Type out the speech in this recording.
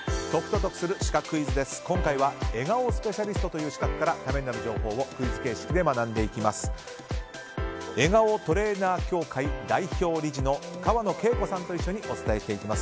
今回は笑顔スペシャリストという資格からためになる情報をクイズ形式で学んでいきます。